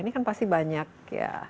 ini kan pasti banyak ya